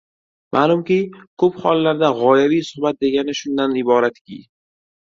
Ma’lumki, ko‘p hollarda g‘oyaviy suhbat degani shundan iboratki